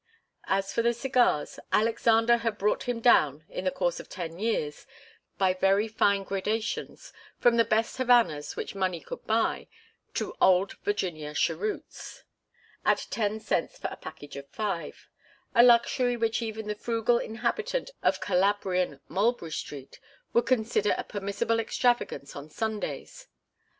As for the cigars, Alexander had brought him down, in the course of ten years, by very fine gradations, from the best Havanas which money could buy to 'old Virginia cheroots,' at ten cents for a package of five, a luxury which even the frugal inhabitant of Calabrian Mulberry Street would consider a permissible extravagance on Sundays.